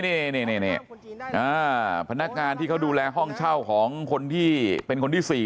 นี่นี่นี่นี่พนักการที่เขาดูแลห้องเช่าของคนที่เป็นคนที่